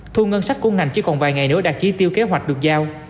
thu ngân sách của ngành chỉ còn vài ngày nữa đạt chỉ tiêu kế hoạch được giao